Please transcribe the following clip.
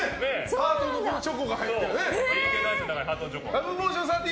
ハート形のチョコが入ってるね。